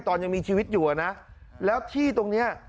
ตอนยังมีชีวิตอยู่แล้วที่ตรงนี้